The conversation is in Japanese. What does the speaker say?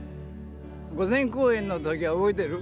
御前講演の時覚えてる？